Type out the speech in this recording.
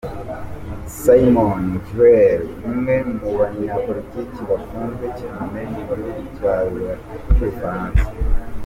Simone Veil umwe mu banyapolitiki bakunzwe cyane mu gihugu cy’u Bufaransa.